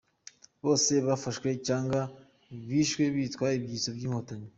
Bose bafashwe cyangwa bishwe bitwa ibyitso by’Inkotanyi.